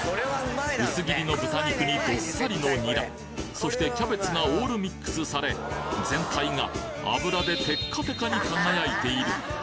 薄切りの豚肉にどっさりのニラそしてキャベツがオールミックスされ全体が油でテッカテカに輝いている！